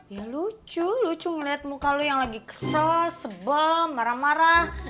ya lucu lucu melihat muka lu yang lagi kesel sebel marah marah